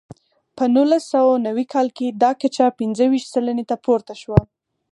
په نولس سوه نوي کال کې دا کچه پنځه ویشت سلنې ته پورته شوه.